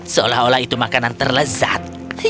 seolah olah itu makanan terlezat